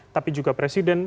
tapi juga presiden